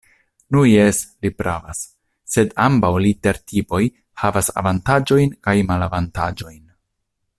Nu jes, li pravas; sed ambaŭ litertipoj havas avantaĝojn kaj malavantaĝojn.